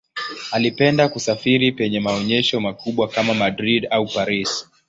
Alipenda kusafiri penye maonyesho makubwa kama Madrid au Paris.